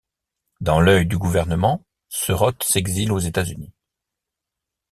Dans l'œil du gouvernement, Serote s'exile aux États-Unis.